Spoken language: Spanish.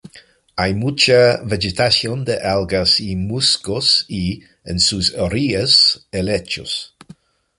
Hay mucha vegetación de algas y musgos y, en sus orillas, helechos.